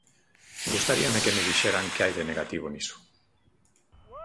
Gustaríame que me dixeran que hai de negativo niso.